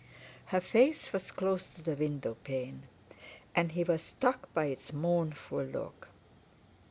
Her face was close to the window pane, and he was struck by its mournful look.